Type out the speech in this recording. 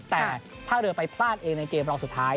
แต่ท่าเรือไปพลาดเองในเกมรองสุดท้าย